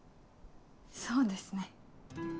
そうですね。